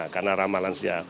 karena ramah lansia